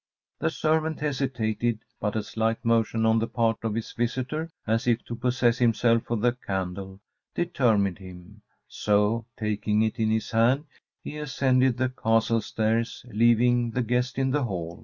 The servant hesitated, but a slight motion on the part of his visitor, as if to possess himself of the candle, determined him; so, taking it in his hand, he ascended the castle stairs, leaving the guest in the hall.